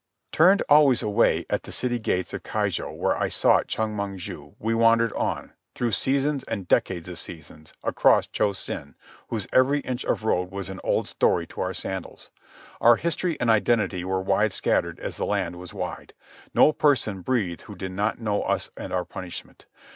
Turned always away at the city gates of Keijo, where I sought Chong Mong ju, we wandered on, through seasons and decades of seasons, across Cho Sen, whose every inch of road was an old story to our sandals. Our history and identity were wide scattered as the land was wide. No person breathed who did not know us and our punishment.